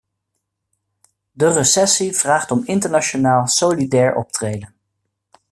De recessie vraagt om internationaal solidair optreden.